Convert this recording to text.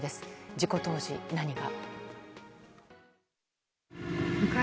事故当時、何が。